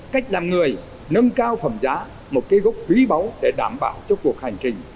cách làm người nâng cao phẩm giá một cái gốc quý báu để đảm bảo cho cuộc hành trình